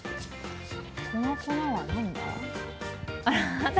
この粉はなんだ？